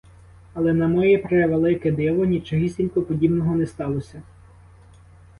Але, на моє превелике диво, нічогісінько подібного не сталось.